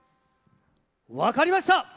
分かりました！